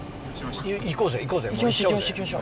行こうぜ行こうぜ。